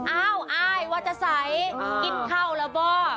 เอ้าไอ้วัตสัยกินข้าวเหรอบ่